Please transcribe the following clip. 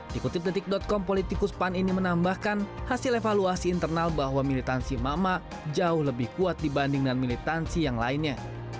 dikutip detik com politikus pan ini menambahkan hasil evaluasi internal bahwa militansi mama jauh lebih kuat dibanding dan militansi yang lainnya